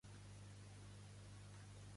Pots recordar-me l'adreça de la doctora Jolonch?